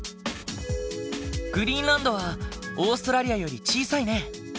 グリーンランドはオーストラリアより小さいね。